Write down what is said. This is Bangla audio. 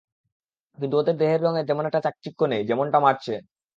কিন্তু ওদের দেহের রঙে তেমন একটা চাকচিক্য নেই, যেমনটা ছিল মার্চে।